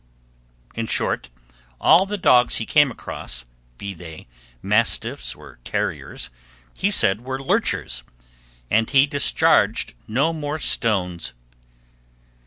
In short, all the dogs he came across, be they mastiffs or terriers, he said were lurchers; and he discharged no more stones.